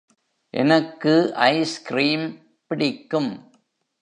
எனக்கு ஐஸ்கிரீம் பிடிக்கும்.